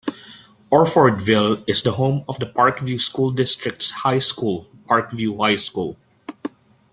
Orfordville is the home of the Parkview School District's high school, Parkview High School.